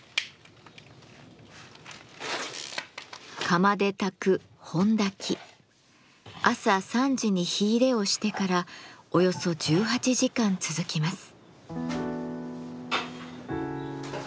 釜で焚く朝３時に火入れをしてからおよそ１８時間続きます。